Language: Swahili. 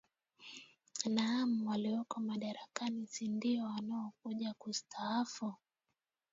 naam walioko madarakani si ndio wanaokuja kustaafu